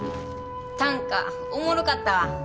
短歌おもろかったわ。